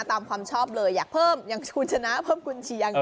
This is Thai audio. ตามความชอบเลยอยากเพิ่มอย่างคุณชนะเพิ่มกุญเชียง